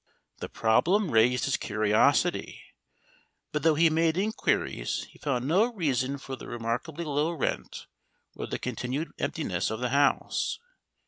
The problem raised his curiosity, but though he made inquiries he found no reason for the remarkably low rent or the continued emptiness of the house.